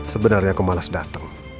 sebenarnya aku malas dateng